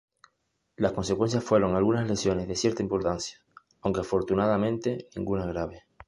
Las consecuencias fueron algunas lesiones de cierta importancia, aunque afortunadamente ninguna grave.